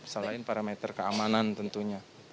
selain parameter keamanan tentunya